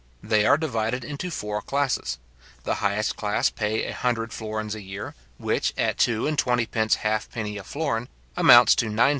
They are divided into four classes. The highest class pay a hundred florins a year, which, at two and twenty pence half penny a florin, amounts to £9:7:6.